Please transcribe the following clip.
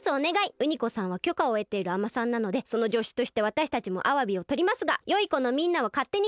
ウニコさんはきょかをえているあまさんなのでそのじょしゅとしてわたしたちもアワビをとりますがよいこのみんなはかってにとっちゃダメだよ！